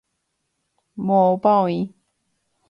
Moõpa oĩ.